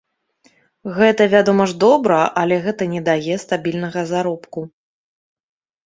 Гэта, вядома ж, добра, але гэта не дае стабільнага заробку.